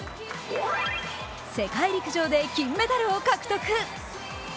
世界陸上で金メダルを獲得。